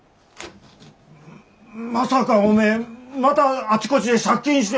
まさかおめえまたあちこちで借金して！